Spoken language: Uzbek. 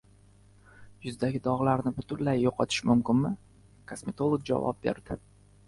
Yuzdagi dog‘larni butunlay yo‘qotish mumkinmi? Kosmetolog javob berdi